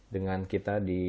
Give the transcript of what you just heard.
dengan kita di